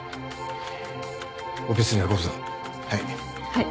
はい。